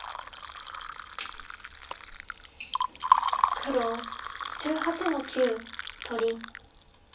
黒１８の九取り。